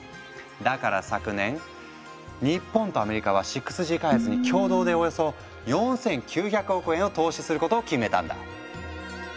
だから昨年日本とアメリカは６Ｇ開発に共同でおよそ４，９００億円を投資することを決めたんだ。